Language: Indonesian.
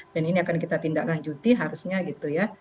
dan ini akan kita tindak lanjuti harusnya gitu ya